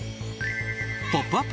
「ポップＵＰ！」